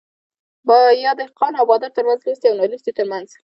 يا دهقان او بادار ترمنځ ،لوستي او نالوستي ترمنځ